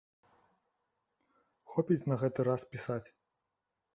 Хопіць на гэты раз пісаць.